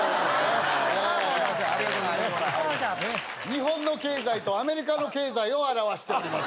日本の経済とアメリカの経済を表しております。